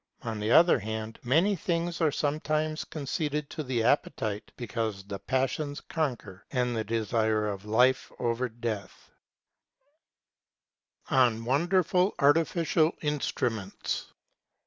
On the other hand, many things are sometimes con ceded to the appetite ; because the passions conquer, and the desire of life over death. THE NON EXISTENCE OF MAGIC. 849 IV. ON WONDERFUL ARTIFICIAL INSTRUMENTS.